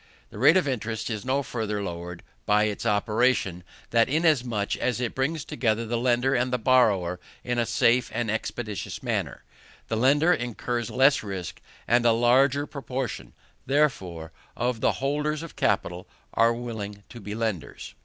The rate of interest is no further lowered by this operation, than inasmuch as it brings together the lender and the borrower in a safe and expeditious manner. The lender incurs less risk, and a larger proportion, therefore, of the holders of capital are willing to be lenders.